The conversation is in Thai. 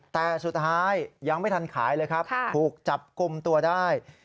แต่สุดท้ายยังไม่ทันขายเลยครับถูกจับกลุ่มตัวได้